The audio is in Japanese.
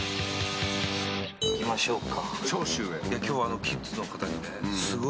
行きましょうか。